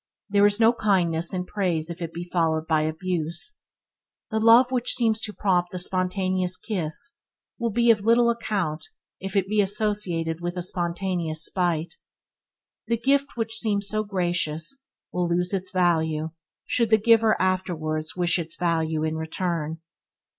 There is no kindness in praise if it be followed by abuse. The love which seems to prompt the spontaneous kiss will be of little account if it be associated with a spontaneous spite. The gift which seemed so gracious will lose its value should the giver afterwards wish its value in return.